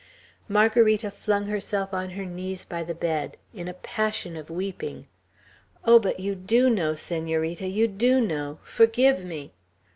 Margarita flung herself on her knees by the bed, in a passion of weeping. "Oh, but you do know, Senorita, you do know! Forgive me!"